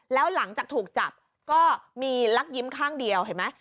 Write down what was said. แล้วหลังจากถูกจับก็มีลักยิ้มข้างเดียวเห็นไหม